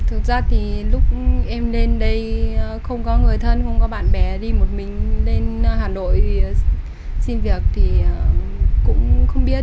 thực ra thì lúc em lên đây không có người thân không có bạn bè đi một mình lên hà nội xin việc thì cũng không biết